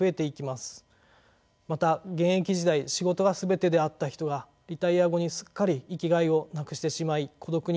また現役時代仕事が全てであった人がリタイア後にすっかり生きがいを失くしてしまい孤独になってしまう。